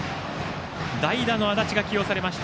代打の安達が起用されました。